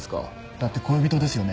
だって恋人ですよね？